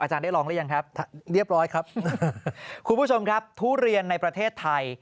อาจารย์ได้ลองหรือยังครับคุณผู้ชมครับทุเรียนในประเทศไทย